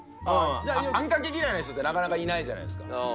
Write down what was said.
あんかけ嫌いな人ってなかなかいないじゃないですか。